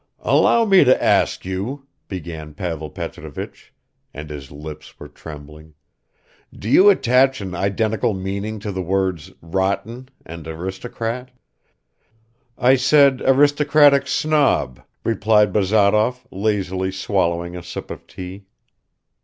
"Allow me to ask you," began Pavel Petrovich, and his lips were trembling, "do you attach an identical meaning to the words 'rotten' and 'aristocrat'?" "I said 'aristocratic snob,'" replied Bazarov, lazily swallowing a sip of tea.